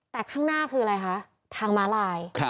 แต่ข้างหน้าคืออะไรคะทางม้าลาย